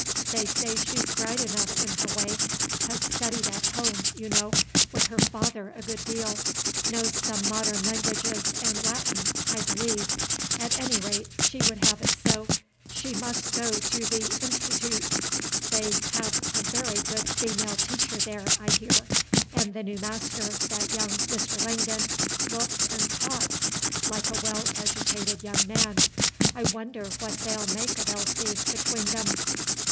They say she's bright enough in her way, has studied at home, you know, with her father a good deal, knows some modern languages and Latin, I believe: at any rate, she would have it so, she must go to the 'Institoot.' They have a very good female teacher there, I hear; and the new master, that young Mr. Langdon, looks and talks like a well educated young man. I wonder what they 'll make of Elsie, between them!"